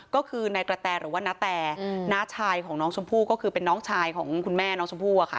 ก็คือนายกระแตหรือว่านาแตน้าชายของน้องชมพู่ก็คือเป็นน้องชายของคุณแม่น้องชมพู่อะค่ะ